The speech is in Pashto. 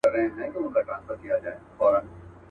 هغوی به هم وي زما او ستا په شان بېلتون وهلي.